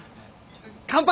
乾杯！